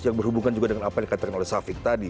yang berhubungan juga dengan apa yang dikatakan oleh safiq tadi